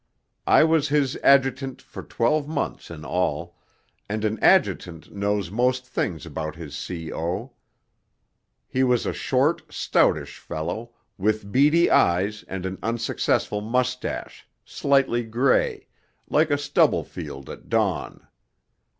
I was his adjutant for twelve months in all, and an adjutant knows most things about his C.O. He was a short, stoutish fellow, with beady eyes and an unsuccessful moustache, slightly grey, like a stubble field at dawn.